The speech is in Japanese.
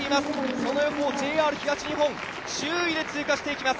その横をＪＲ東日本、１０位で通過していきます。